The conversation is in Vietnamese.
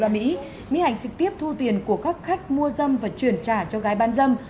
mỹ hạnh trực tiếp thu tiền của các khách mua dâm và chuyển trả cho gái bán dâm